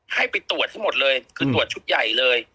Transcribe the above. ให้ไปตรวจให้หมดเลยคือตรวจชุดใหญ่เลย